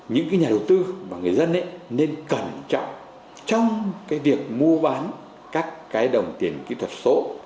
những nhà đầu tư và người dân nên cẩn trọng trong việc mua bán các đồng tiền kỹ thuật số